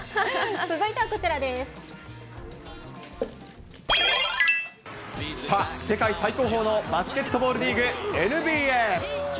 続いてはこちらさあ、世界最高峰のバスケットボールリーグ、ＮＢＡ。